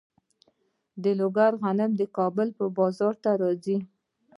د لوګر غنم د کابل بازار ته راځي.